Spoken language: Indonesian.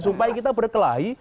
supaya kita berkelahi